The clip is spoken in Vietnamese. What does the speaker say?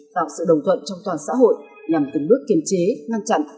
tạo sự đồng thuận trong toàn xã hội nhằm từng bước kiềm chế ngăn chặn